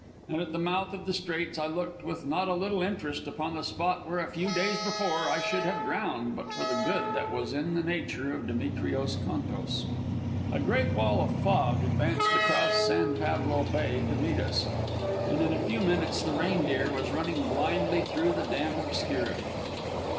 And at the mouth of the Straits I looked with not a little interest upon the spot where a few days before I should have drowned but for the good that was in the nature of Demetrios Contos. A great wall of fog advanced across San Pablo Bay to meet us, and in a few minutes the Reindeer was running blindly through the damp obscurity.